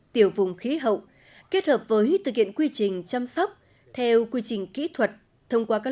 tiểu vùng khí hậu kết hợp với thực hiện quy trình chăm sóc theo quy trình kỹ thuật thông qua các